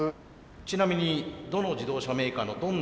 ちなみにどの自動車メーカーのどんな？